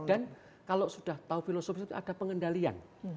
dan kalau sudah tahu filosofi itu ada pengendalian